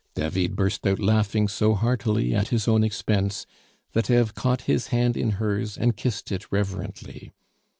David burst out laughing so heartily at his own expense that Eve caught his hand in hers and kissed it reverently.